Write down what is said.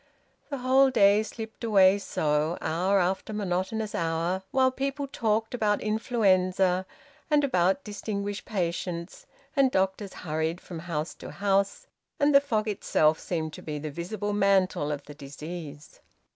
The whole day slipped away so, hour after monotonous hour, while people talked about influenza and about distinguished patients, and doctors hurried from house to house, and the fog itself seemed to be the visible mantle of the disease.